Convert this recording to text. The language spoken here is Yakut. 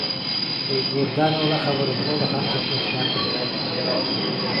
Уйгуурдаан уола Хабырылла улахан гипнозтаах киһи эбит